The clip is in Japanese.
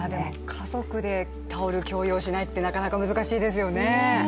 家族でタオル共用しないってなかなか難しいですよね。